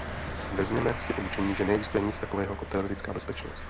Vezměme si poučení, že neexistuje nic takového jako teoretická bezpečnost.